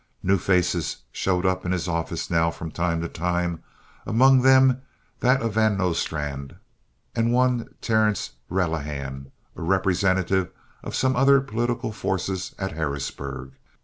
New faces showed up in his office now from time to time—among them that of Van Nostrand and one Terrence Relihan, a representative of some other political forces at Harrisburg.